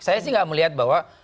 saya sih nggak melihat bahwa